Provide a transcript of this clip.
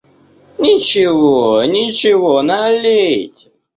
— Ничего, ничего, налейте.